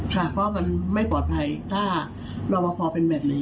ค่ะเพราะมันไม่ปลอดภัยถ้ารอปภเป็นแบบนี้